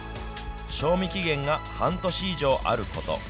賞味期限が半年以上あること。